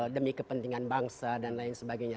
demi kepentingan bangsa dan lain sebagainya